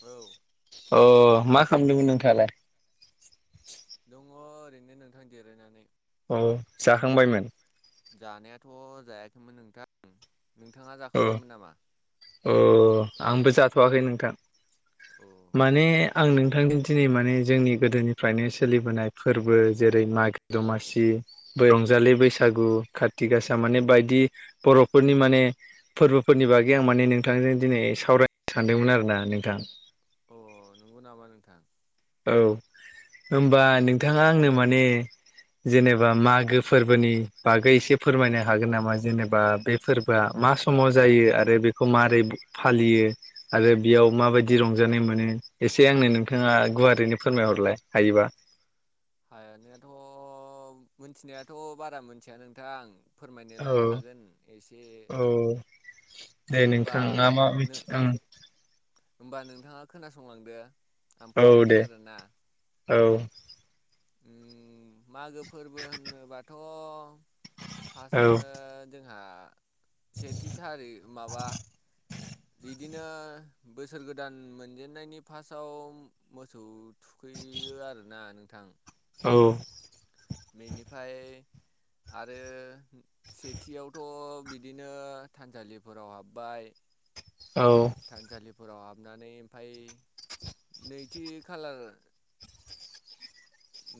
औ अ मा खामदोंमोन नोंथाङालाय? दङ ओरैनो नोंथां जेरायनानै। औ जाखांबायमोन? अ जायाखैमोन नोंथां। नोंथाङा अ जाखांबायमोन नामा - अ आंबो जाथ'वाखै नोंथां। अ माने। आं नोंथांनि दिनै माने जोंनि गोदोनिफ्रायनो सोलिबोनाय फोरबो जेरै मागो दमासि। रंजालि बैसागु खाथि गासा माने बायदि बर'फोरनि माने। फोरबोफोरनि बागै आं माने नोंथांजों दिनै सावरायनो सानदोंमोन आरोना नोंथां। अ नंगौ नामा नोंथां। औ होनबा नोंथाङा आंनो माने। जेनेबा मागो फोरबोनि बागै एसे फोरमायनो हागोन नामा जेनेबा बे फोरबोआ। मा समाव जायो आरो बेखौ मारै फालियो। आरो बेयाव माबायदि रंजानाय मोनो एसे आंनो नोंथाङा गुवारैनो फोरमायहरलाय हायोबा। [inaudible] हायानायाथ' मिथिनायाथ' बारा मिथिया नोंथां। फोरमायनोलाय हागोन एसे। औ औ दे नोंथा होमबा मा मा नो मिथि ओं। होमबा नोंथाङा खोनासंलांदो आं औ फोरमायनोसै दे आरोना। औ। मागो फोरबो होनोबाथ'। औ फार्स्टआवनो जोंहा सेथि थारिख माबा। बिदिनो बोसोर गोदान मोनजेननायनि फार्स्टआव मोसौ थुखै। यो आरोना नोंथां औ। बेनिफ्राय। आरो सेथियावथ' बिदिनो थानसालिफोराव हाबबाय। औ थानसालिफोराव हाब। नानै ओमफाय नैथि खालार।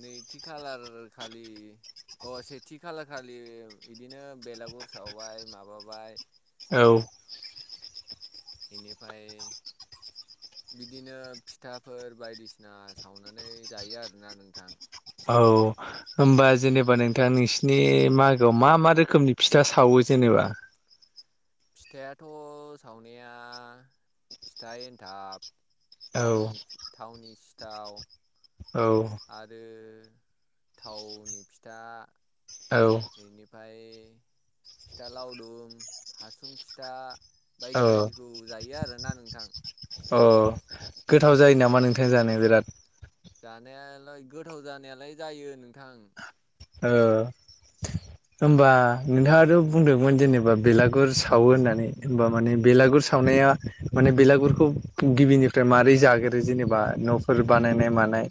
नै थिखाल आरो खालि। अ सेथि खालखालि बिदिनो बेलागुर सावबाय माबाबाय। औ। बेनिफ्राय। बिदिनो फिथाफोर बायदिसिना सावनानै जायो आरोना नोंथां। औ होमबा जेनेबा नोंथां नोंसिनि मागोआव मा मा रोखोमनि फिथा सावो। जेनेबा। फिथायाथ' सावनाया फिथाइ एन्थाब। औ थावनि - थावनि सिथाव। औ आरो थावनि फिथा औ बेनिफ्राय। फिथा लावदुम, हासुं फिथा। बायदि औ बायदिखौ जायो आरोना नोंथां। अ गोथाव जायो नामा नोंथां जानो बिराद। जानायालाय गोथाव जानायालाय जायो नोंथां। ओ। होमबा नोंथाङाथ' बुंदोंमोन जेनेबा बेलागुर सावो होननानै होमबा माने बेलागुर। गुर सावनाया माने बेलागुरखौ गिबिनिफ्राय माबारै जागोरो जेनेबा न'फोर बानायनाय मानाय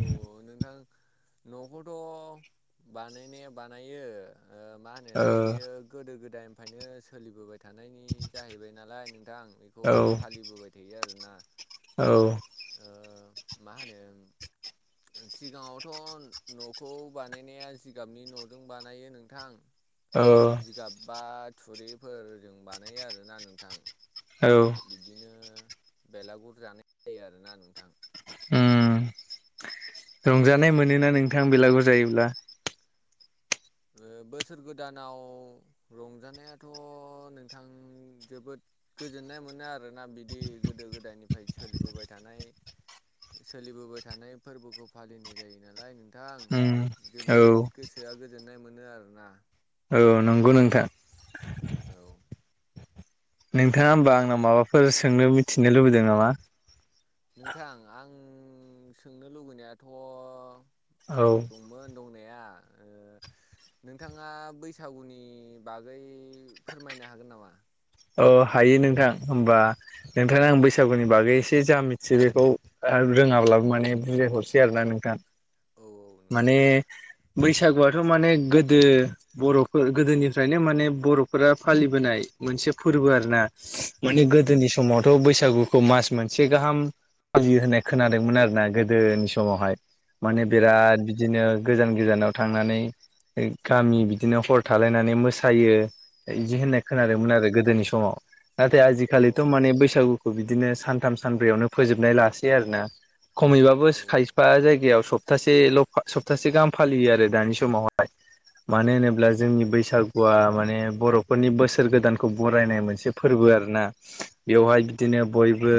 औ नोंथां न'खौथ' बानायनाया बानायो मा ओ होनोना बेयो गोदो- गोदायनिफ्रायनो सोलिबोबाय थानायनि जाहैबाय नालाय नोंथां बेखौ औ फालिबोबाय थायो आरोना औ ओ मा होनो [inaudible] सिगाङावथ' न'खौ बानायनाया जिगाबनि न'जों बानायो नोंथां औ जिगाब बा थुरिफोरजों बानायो आरोना नोंथां। औ बिदिनो बेलागुर जानाय जायो आरोना नोंथां। रंजानाय मोनोना नोंथां बेलागुर जायोब्ला बोसोर गोदानाव रंजानायाथ' नोंथां जोबोद गोजोननाय मोनो आरोना बिदि गोदो गोदायनिफ्राय सोलिबोबाय थानाय। सोलिबोबाय थानाय फोरबोखौ फालिनाय जायो नालाय नोंथां। उम औ जोबोद गोसोआ गोजोननाय मोनो आरोना। औ नंगौ नोंथां। औ नोंथाङा होमबा आंनाव माबाफोर सोंनो मिथिनो लुबैदों नामा नोंथां आं सोंनो लुबैनायाथ' औ दंमोन दंनाया ओ [inaudible] नोंथाङा बैसागुनि बागै फोरमायनो हागोन नामा औ हायो नोंथां होमबा नोंथाङा आं बैसागुनि बागै एसे जा मिथियो बेखौ रोङाब्लाबो माने बुजायहरसै आरो ना नोंथा औ औ नोंथां। माने बैसागुआथ' माने गोदो बर'फोर गोदोनिफ्रायनो माने बर'फोरा फालिबोनाय मोनसे फोरबो आर ना माने औ गोदोनि नोंथां। समावथ' बैसागुखौ मास मोनसे गाहामि होननाय खोनादोंमोन आरोना गोदोनि समावहाय माने औ बिराद नोंथां। बिदिनो गोजान गोजानाव थांनानै गामि बिदिनो हर थालायनानै मोसायो बिदि होननाय औ खोनादोंमोन आरो गोदोनि समाव नाथाय अ आजिखालिथ' माने बैसागु बिदिनो सानथाम सानब्रैयावनो फोजोबनाय लासै आरोना खमैबाबो औ खायफा जायगायाव सब सप्तासेल' सप्तासे गाहाम फालियो आरो दानि समावहाय मानो होनोब्ला अ जोंनि बैसागुआ माने बर'फोरनि बोसोर गोदानखौ खौ बरायनाय मोनसे फोरबो आरोना बेवहाय बिदिनो बयबो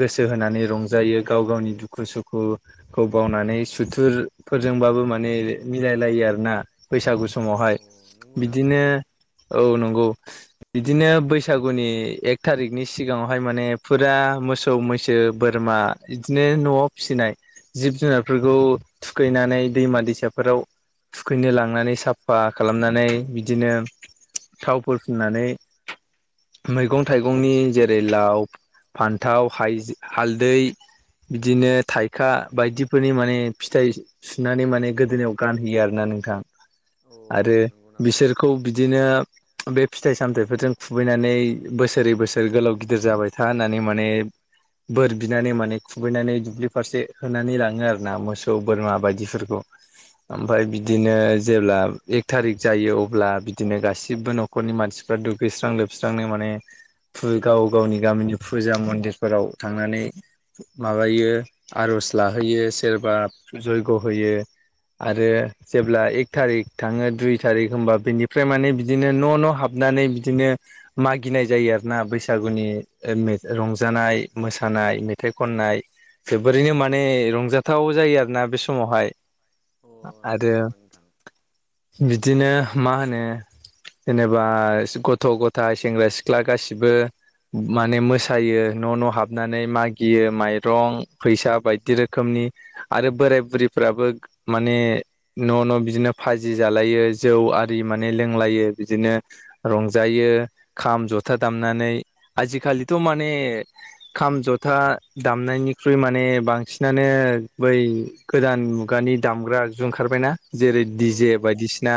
गोसो होनानै रंजायो गाव गावनि दुखु सुखुखौ बावनानै सुथुर फोरजोंबाबो माने मिलायलायो आरोना बैसागु समावहाय अ नंगौ नामा बिदिनो नोंथां औ नंगौ बिदिनो बैसागुनि एक थारिकनि सिगाङावहाय माने फुरा मोसौ मैसो बोरमा बिदिनो न'आव फिसिनाय जिब जुनारफोरखौ थुखैनानै दैमा दैसाफोराव थुखैनो लांनानै साफा खालामनानै बिदिनो थाव फोर फुननानै मैगं थाइगंनि जेरै लाव फान्थाव हालदै बिदिनो थाइखा बायदिफोरनि माने फिथाइ सुनानै माने गोदोनिायाव गानहोयो आरोना नोंथां औ आरो नंगौ नामा बिसोरखौ बिदिनो बे फिथाइ सामथायाइफोरजों खुबैनानै बोसोरै बोसोर गोलाव गिदिर जाबाय था होननानै माने बोर बिनानै माने खुबैनानै दुब्लि फारसे होनानै लाङो आरो ना मोसौ बोरमा बायदिफोरखौ अ ओमफ्राय बिदिनो जेब्ला एक थारिक जायो अब्ला बिदिनो गासिबो नखर नखरनि मानसिफ्रा दुगैस्रां लोबस्रांनो माने गाव गावनि गामिनि फुजा मन्दिरफोराव थांनानै माबायो आर'ज लाहोयो सोरबा जयग' होयो आरो जेब्ला एक थारिक थाङो दुइ थारिख होमबा बिनिफ्राय माने बिदिनो न' न' हाबनानै बिदिनो मागिनाय जायो आरो ना बैसागुनि रंजानाय मोसानाय मेथाइ खननाय जोबोरैनो माने रंजाथाव जायो आरोना बे समावहाय अ नंगौ आरो नामा नोंथां बिदिनो मा होनो जेनेबा गथ' गथाइ सेंग्रा सिख्ला गासिबो माने मोसायो न' न' हाबनानै मागियो माइरं फैसा बायदि रोखोमनि आरो बोराय बुरैफ्राबो माने न' न' फाजि जालायो जै आरि माने लोंलायो बिदिनो रंजायो खाम जथा दामनानै आजिखालिथ' माने खाम जथा दामनायनिख्रुइ माने बांसिनानो बै गोदान मुगानि दामग्रा आगजु ओंखारबायना जेरै औ डिजे नोंथां बायदिसिना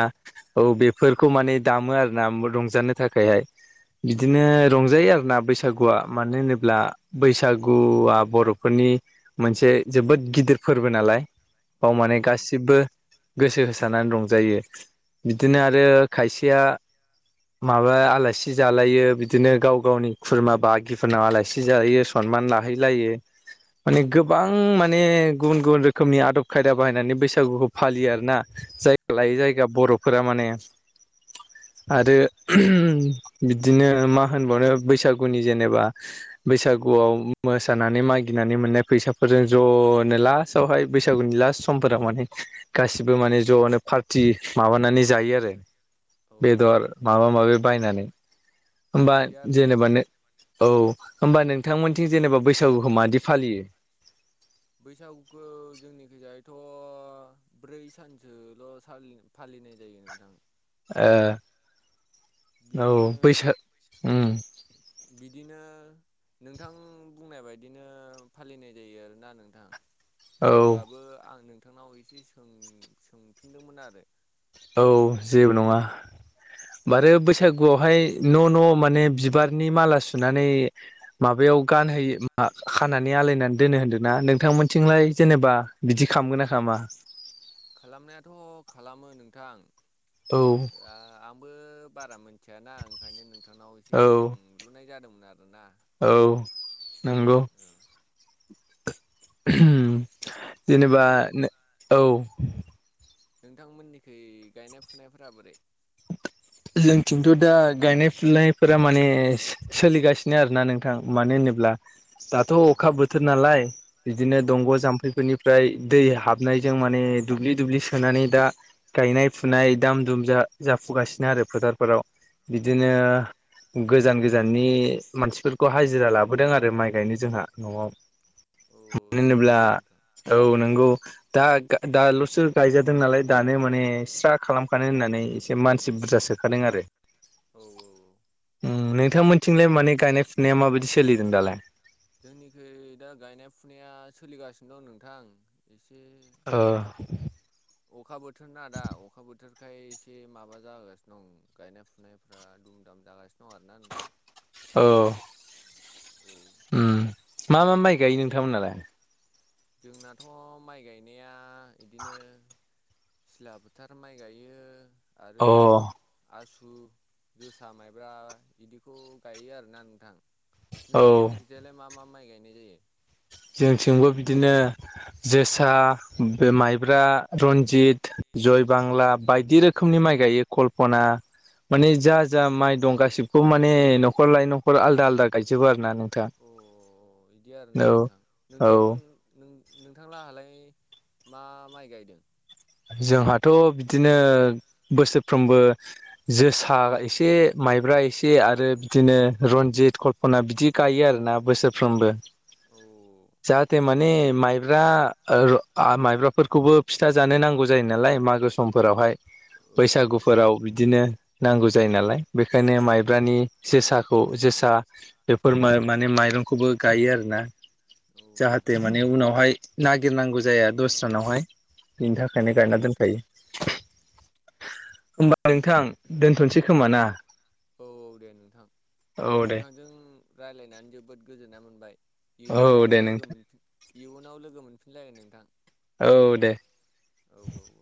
औ बेफोरखौ औ माने दामो आरो ना रंजानो थाखायहाय बिदिनो औ रंजायो आरोना बैसागुआ मानो होनोब्ला बैसागुआ बर'फोरनि [unintelligible] मोनसे जोबोद गिदिर फोरबो नालाय बाव औ माने औ नोंथां गासिबो गोसो होसारनानै रंजायो बिदिनो आरो खायसे [unintelligible] माबा आलासि जालायो बिदिनो गाव गावनि खुरमा बागिफोरनाव आलासि जालायो सन [unintelligible] माने औ गोबां माने गुबुन गुबुन रोखोमनि आदब खायदा बाहायनानै बैसागुखौ फालियो आरो ना जायगा औ लायै जायगा बर'फोरा माने आरो बिदिनो मा होनबावनो बैसागुनि जेनेबा बैसा गुआव मोसानानै मागिनानै मोननाय फैसाफोरजों ज'नो लास्टआवहाय बैसागुनि लास सम [unintelligible] माने गासिबो माने ज'नो पार्टि माबानानै जायो आरो औ बेदर माबा माबि बायनानै होमबा बिदि आरोना जेनेबानो नोंथां औ होमबा नोंथांमोनथिं जेनेबा बैसागुखौ मायदि फालियो बैसागुखौ जोंनिखिजायथ' ब्रै सानसोल' सालि फालि फैनाय जायो नोंथां ओ औ बिदिनो बैसाग उम बिदिनो नोंथां बुंनाय बायदिनो फालिनाय जायो आरोना नोंथां औ होमबाबो आं नोंथांनाव एसे सों-सोंफिनदोंमोन आरो औ जेबो नङा माने बैसागुआवहाय न' न' माने बिबारनि माला सुनानै [unintelligible] बेयाव गानहोयो खानानै आलायनानै दोनो होनदोंना नोंथांमोनथिंलाय जेनेबा बिदि खालामगोन [unintelligible] खालामनायाथ' खालामो नोंथां औ आंबो बारा मिथियाना ओंखायनो नोंथांनाव एसे औ सोंलुनाय जादोंमोन आरोना औ नंगौ औ जेनेबा ओमफाय औ नोंथांमोननिखै गायनाय फुनायफोरा बोरै [unintelligible] जोंथिंथ' दा गायनाय फुनायफोरा माने सोलिगासिनो आरोना नोंथां मानो होनोब्ला दाथ' औ अखा बोथोर नालाय बिदिनो औ दंग' औ नोंथां जाम्फैफोरनिफ्राय दै हाबनायजों माने दुब्लि दुब्लि सोनानै दा गायनाय फुनाय दाम दुम जा जाफुगासिनो आरो फोथारफोराव औ बिदिनो गोजान गोजान गोजाननि मानसिफोरखौ हाजिरा लाबोदों आरो माइ गायनो जोंहा न'आव औ मानो नंगौ होनोब्ला नामा नोंथां औ नोंगौ दा दाल'सो गायजादों नालाय दानो माने स्रा खालामखानो होननानै एसे मानसि बुरजा सोखादों आरो औ औ औ उम नोंथांमोनथिंलाय माने गायनाय ने माबायदि सोलिदों दालाय जोंनिखै दा गायनाय फुनाया सोलिगासिनो दं नोंथां एसे औ ए अखा बोथोर ना दा अखा बोथोर बेखाय एसे माबा जागासिनो दं गायनाय फुनायफ्रा दुम दाम जागासिनो दं आरोना नोंथां औ औ उम मा मा माइ गायो नोंथांमोनालाय? जोंनाथ' माइ गायनाया इदिनो सिला बोथार माइ गायो आरो अ आसु उम जोसा माइब्रा बिदिखौ गायो आरोना नोंथां। औ नोंथांमोननि खिजालाय मा मा माइ गायनाय जायो? जोंथिंबो बिदिनो जोसा बे माइब्रा रन्जित जय बांला बायदि रोखोमनि माइ गायो कल्पना माने जा औ जा माइ दं गासिबखौ माने न'खर लायै न'खर आलदा आलदा गायजोबो आरो ना नों अ बिदि आरोना नोंथां औ नोंथांमोन नोंथांलाहालाय मा माइ गायदों? जोंहाथ' बिदिनो बोसोरफ्रोमबो जोसा एसे माइब्रा एसे आरो बिदिनो रनजित कल्पना बिदि गायो आरोना बोसोरफ्रोमबो औ जाहाथे माने माइब्रा ओ रन माइब्राफोरखौबो फिथा जानो नांगौ जायो नालाय मागो समफोरावहाय औ बैसागुफोराव बिदिनो नांगौ जायो नालाय बेखायनो माइब्रानि जोसाखौ जोसा बेफोर माने माइरंखौबो गायो आरोना। औ जाहाथे नोंथां माने उनावहाय नागिरनांगौ जाया दस्रानावहाय बिनि औ थाखायनो गायना दोनखायो होमबा नोंथां दोनथ'सै औ खोमा ना? औ औ दे नोंथां औ दे नोंथांजों रायज्लायनानै जोबोद गोजोनाय मोनबाय औ इयुनाव दे लोगो नोंथां मोनफिन इयुनाव लोगो मोनफिनलायगोन नोंथां। औ दे। औ औ